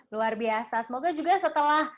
luar biasa semoga juga setelah